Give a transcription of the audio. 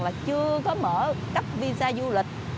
là chưa có mở cấp visa du lịch